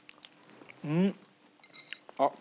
うん！あっ。